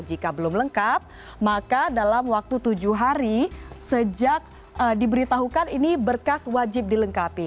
jika belum lengkap maka dalam waktu tujuh hari sejak diberitahukan ini berkas wajib dilengkapi